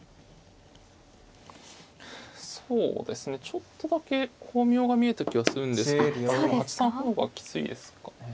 ちょっとだけ光明が見えた気はするんですけど８三歩の方がきついですかね。